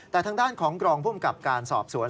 แต่ทางด้านของกรองภูมิกับการสอบสวน